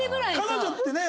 彼女ってね